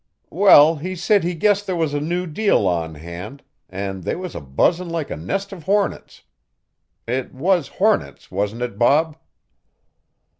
"Well, he said he guessed there was a new deal on hand, and they was a buzzin' like a nest of hornets. It was hornets, wasn't it, Bob?"